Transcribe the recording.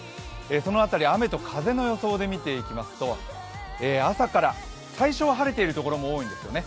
その辺り、雨と風の予想で見ていきますと朝から最初は晴れているところも多いんですよね。